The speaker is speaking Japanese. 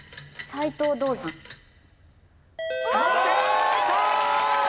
正解！